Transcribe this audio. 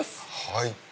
はい。